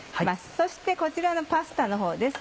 そしてこちらのパスタのほうです。